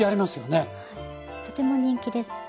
とても人気です。